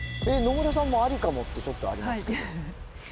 野村さんも「ありかも？」ってちょっとありますけど。